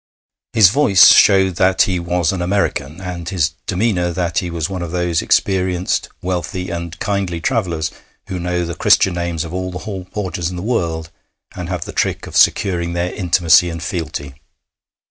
His voice showed that he was an American, and his demeanour that he was one of those experienced, wealthy, and kindly travellers who know the Christian names of all the hall porters in the world, and have the trick of securing their intimacy and fealty.